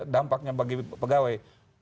dampaknya bagi pegawai